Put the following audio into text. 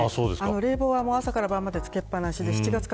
冷房は朝から晩までつけっぱなし。